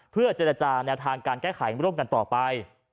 เพื่อเจรจาแนวทางการแก้ไขร่วมกันต่อไป